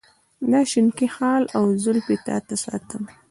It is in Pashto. دا شینکی خال او زلفې تا ته ساتم.